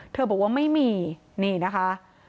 บอกว่าไม่มีนี่นะคะ